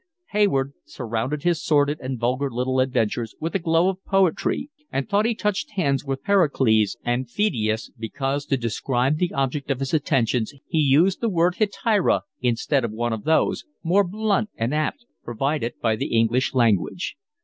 Hayward surrounded his sordid and vulgar little adventures with a glow of poetry, and thought he touched hands with Pericles and Pheidias because to describe the object of his attentions he used the word hetaira instead of one of those, more blunt and apt, provided by the English language.